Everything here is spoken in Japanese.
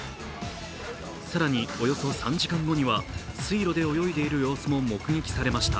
更に、およそ３時間後に水路で泳いでいる様子も目撃されました。